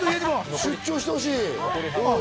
出張してほしい。